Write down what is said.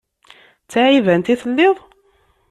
D taɛibant i telliḍ?